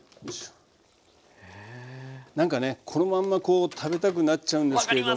なんかねこのまんまこう食べたくなっちゃうんですけども。